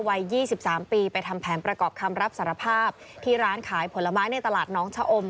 วัย๒๓ปีไปทำแผนประกอบคำรับสารภาพที่ร้านขายผลไม้ในตลาดน้องชะอม